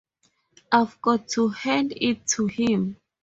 I've got to hand it to him.